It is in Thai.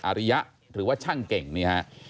อริยะหรือว่าช่างเก่งนี่ฮะ